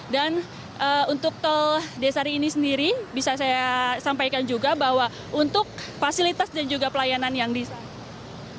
dan untuk tol desari ini sendiri bisa saya sampaikan juga bahwa untuk fasilitas dan juga pelayanan yang disediakan